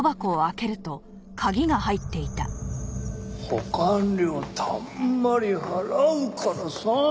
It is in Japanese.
保管料たんまり払うからさ。